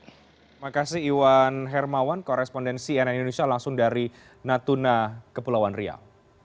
terima kasih iwan hermawan korespondensi nn indonesia langsung dari natuna kepulauan riau